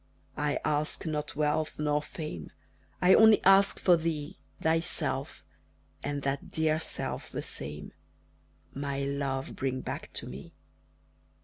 I ask not wealth nor fame, I only ask for thee, Thyself and that dear self the same My love, bring back to me!